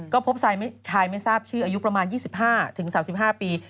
ก็พบชายไม่ทราบชื่ออายุประมาณ๒๕๓๕ปี